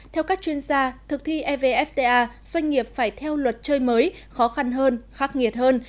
theo các chuyên gia thực thi evfta doanh nghiệp phải theo luật chơi mới khó khăn hơn khắc nghiệt hơn